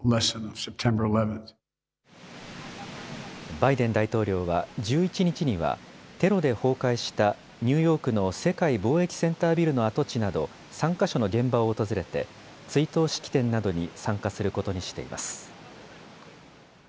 バイデン大統領は１１日にはテロで崩壊したニューヨークの世界貿易センタービルの跡地など３か所の現場を訪れて追悼式典などに参加することにしています。